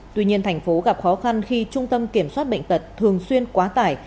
tuy nhiên tp gặp khó khăn khi trung tâm kiểm soát bệnh tật thường xuyên quá tải